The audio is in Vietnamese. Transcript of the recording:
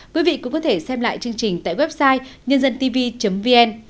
quý vị cũng có thể xem lại chương trình tại website nhândântv vn